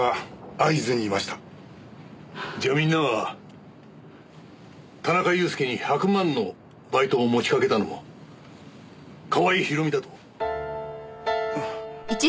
じゃあみんなは田中裕介に１００万のバイトを持ちかけたのも川合ひろみだと？